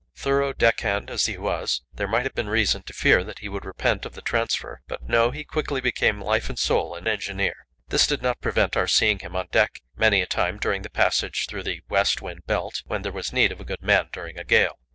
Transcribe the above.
Thorough deck hand as he was, there might have been reason to fear that he would repent of the transfer; but no, he quickly became life and soul an engineer. This did not prevent our seeing him on deck again many a time during the passage through the west wind belt, when there was need of a good man during a gale.